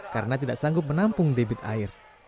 karena tidak sanggup menampung debit air